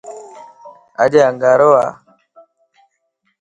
اڄ انڳارو ا